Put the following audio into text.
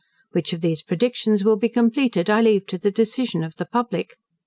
Which of these predictions will be completed, I leave to the decision of the public.